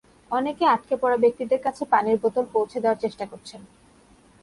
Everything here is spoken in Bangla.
অনেকে আটকে পড়া ব্যক্তিদের কাছে পানির বোতল পৌঁছে দেওয়ার চেষ্টা করছেন।